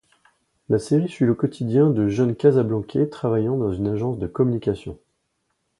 La série suit le quotidien de jeunes casablancais travaillant dans une agence de communication.